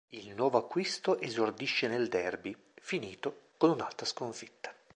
Il nuovo acquisto esordisce nel derby, finito con un'altra sconfitta.